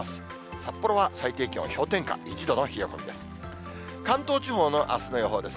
札幌は最低気温氷点下１度の冷え込みです。